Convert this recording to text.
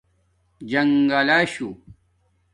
جنگلہ شُݸہ